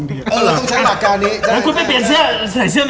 ไอ้เกง